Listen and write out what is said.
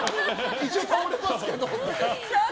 一応、倒れてますけど。